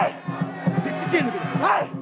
はい！